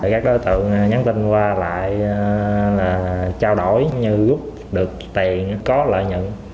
các đối tượng nhắn tin qua lại là trao đổi như góp được tiền có lợi nhận